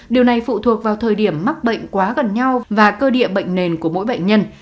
điều này phụ thuộc vào thời điểm mắc bệnh quá gần nhau và cơ địa bệnh nền của mỗi bệnh nhân